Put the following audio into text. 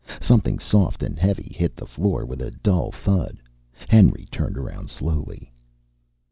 Something soft and heavy hit the floor with a dull thud. Henry turned around slowly.